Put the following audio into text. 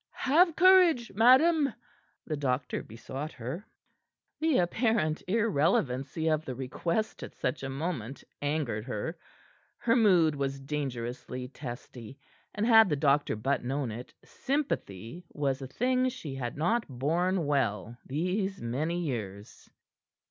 "Have courage, madam," the doctor besought her. The apparent irrelevancy of the request at such a moment, angered her. Her mood was dangerously testy. And had the doctor but known it, sympathy was a thing she had not borne well these many years.